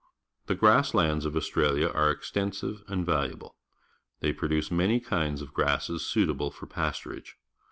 The grass lands of AustraUa are extensiv e and vahiable. They produce many kinds of grasses suital^le for pasturage.